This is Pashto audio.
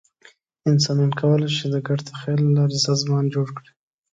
انسانان کولی شي، چې د ګډ تخیل له لارې سازمان جوړ کړي.